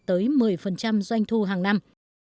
tới một mươi doanh thu hàng năm